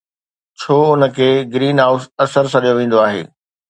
ڇو ان کي گرين هائوس اثر سڏيو ويندو آهي؟